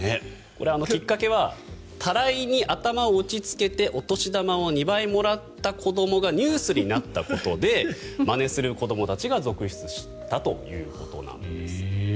きっかけはたらいに頭を打ちつけてお年玉を２倍もらった子どもがニュースになったことでまねする子どもたちが続出したということなんです。